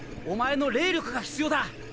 おまえの霊力が必要だ。